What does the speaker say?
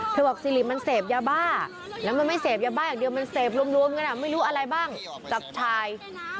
บอกสิริมันเสพยาบ้าแล้วมันไม่เสพยาบ้าอย่างเดียวมันเสพรวมกันไม่รู้อะไรบ้างจับชาย